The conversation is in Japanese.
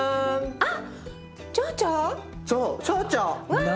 あっ。